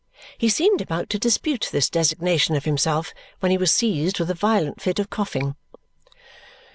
He seemed about to dispute this designation of himself when he was seized with a violent fit of coughing.